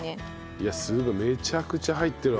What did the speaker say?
いやすごいめちゃくちゃ入ってるわ。